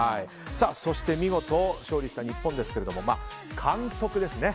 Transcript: そして見事勝利した日本ですが監督ですね。